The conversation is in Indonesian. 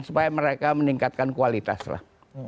karena mereka meningkatkan kualitas lah